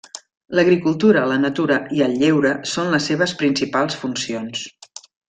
L'agricultura, la natura i el lleure són les seves principals funcions.